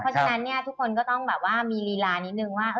เพราะฉะนั้นทุกคนก็ต้องมีรีลานินึงว่า